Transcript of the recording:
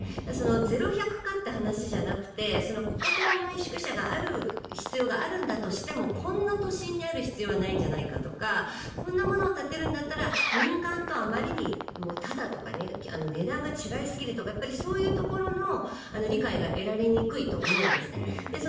ゼロ百かって話じゃなくて国家公務員宿舎がある必要があるんだとしてもこんな都心にある必要はないんじゃないかとかこんなものを建てるんだったら民間とあまりにタダとか値段が違いすぎるとかそういうところの理解が得られにくいと思うんですね。